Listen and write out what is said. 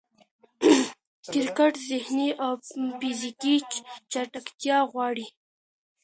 کرکټ ذهني او فزیکي چټکتیا غواړي.